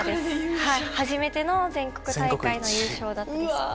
初めての全国大会の優勝だったです。